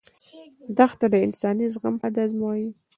دښته د انساني زغم حد ازمويي.